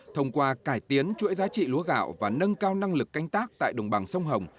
thông qua cải tiến chuỗi giá trị lúa gạo và nâng cao năng lực canh tác tại đồng bằng sông hồng